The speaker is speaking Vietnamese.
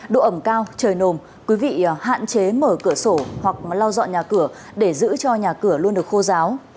độ ẩm cao trời nồm quý vị hạn chế mở cửa sổ hoặc lau dọn nhà cửa để giữ cho nhà cửa luôn được khô giáo